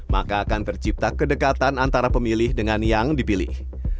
maka akan tercipta kedekatan antara pemilih dengan yang dipilih